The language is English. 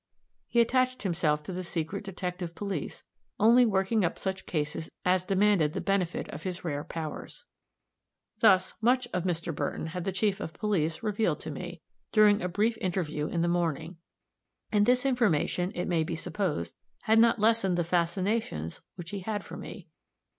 He attached himself to the secret detective police; only working up such cases as demanded the benefit of his rare powers. Thus much of Mr. Burton had the chief of police revealed to me, during a brief interview in the morning; and this information, it may be supposed, had not lessened the fascinations which he had for me.